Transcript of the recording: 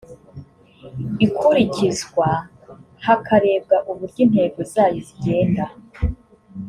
ikurikizwa hakarebwa uburyo intego zayo zigenda